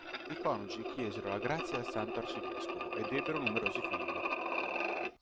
I coniugi chiesero la grazia al santo arcivescovo ed ebbero numerosi figli.